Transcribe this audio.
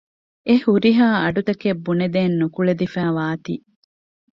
އެ ހުރިހާ އަޑުތަކެއް ބުނެދޭން ނުކުޅެދިފައިވާތީ